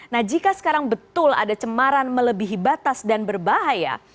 nah jika sekarang betul ada cemaran melebihi batas dan berbahaya